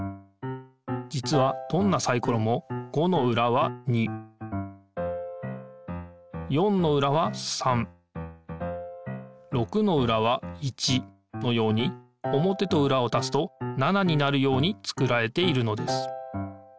じつはどんなサイコロも５の裏は２４の裏は３６の裏は１のように表と裏をたすと７になるように作られているのです。